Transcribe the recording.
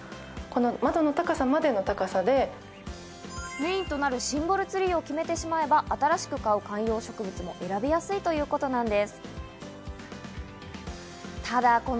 メインとなるシンボルツリーを決めてしまえば、新しく買う観葉植物も選びやすいということです。